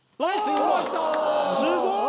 すごい！